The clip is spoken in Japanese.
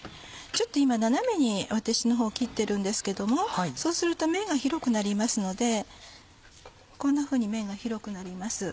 ちょっと今斜めに私のほう切ってるんですけどもそうすると面が広くなりますのでこんなふうに面が広くなります。